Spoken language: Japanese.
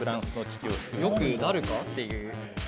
よくなるか？っていう。